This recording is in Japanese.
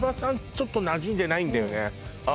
ちょっとなじんでないんだよねああ